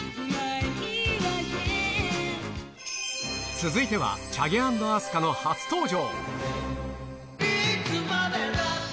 続いては、ＣＨＡＧＥａｎｄＡＳＫＡの初登場。